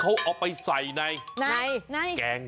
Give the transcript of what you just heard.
โอ้ผมคิดถึง